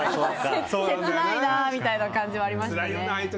切ないなみたいな感じはありました。